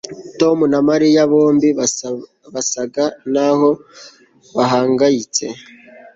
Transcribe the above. Tom na Mariya bombi basaga naho bahangayitse